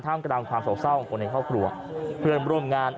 กลางความโศกเศร้าของคนในครอบครัวเพื่อนร่วมงาน